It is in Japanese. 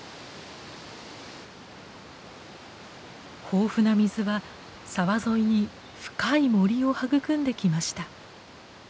豊富な水は沢沿いに深い森を育んできました。